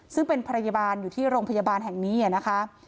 ซึ่งเป็นพยาบาลอยู่ที่โรงพยาบาลแห่งนี้นะคะ